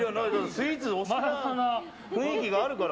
スイーツ、お好きな雰囲気があるから。